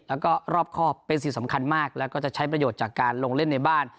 แล้วก็รอบครอบเป็นสิ่งสำคัญมากแล้วก็จะใช้ประโยชน์จากการลงเล่นในบ้าน